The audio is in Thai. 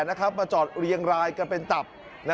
มาจอดเรียงรายกันเป็นตับ